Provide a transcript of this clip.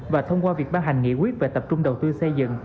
và thông qua việc ban hành nghị quyết về tập trung đầu tư xây dựng